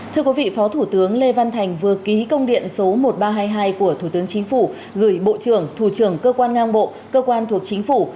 thưa quý vị phó thủ tướng lê văn thành vừa ký công điện số một nghìn ba trăm hai mươi hai của thủ tướng chính phủ gửi bộ trưởng thủ trưởng cơ quan ngang bộ cơ quan thuộc chính phủ